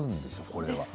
これは。